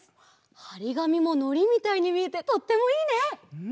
はりがみものりみたいにみえてとってもいいね！